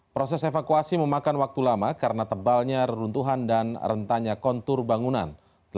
proses evakuasi memakan waktu lama karena tebalnya reruntuhan dan rentannya kontur bangunan